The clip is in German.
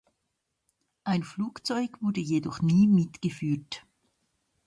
Ein Flugzeug wurde jedoch nie mitgeführt.